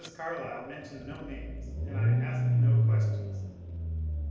Carlyle mentioned no names, and I asked no questions.